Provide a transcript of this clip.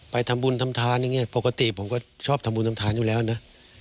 ไปทำบุญทำทานอย่างนี้ปกติผมก็ชอบทำบุญทำทานอยู่แล้วนะ